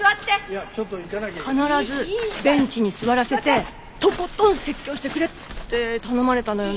必ずベンチに座らせてとことん説教してくれって頼まれたのよね。